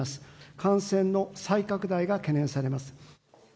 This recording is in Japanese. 感染の再拡大が懸念されます。